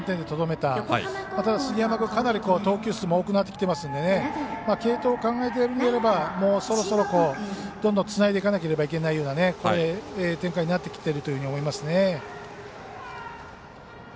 ただ、杉山君はかなり投球数も多くなってきてますんで継投を考えるのであればもうそろそろどんどんつないでいかなければならないというような展開になってきてると思いますね。